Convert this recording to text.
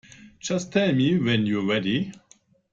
Just tell me when you're ready.